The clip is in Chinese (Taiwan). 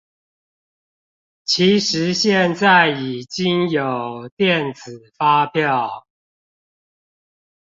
其實現在已經有電子發票